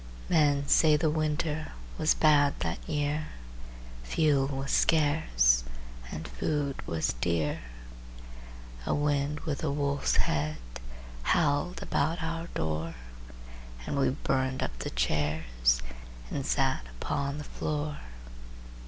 Men say the winter Was bad that year; Fuel was scarce, And food was dear. A wind with a wolf's head Howled about our door, And we burned up the chairs And sat upon the floor.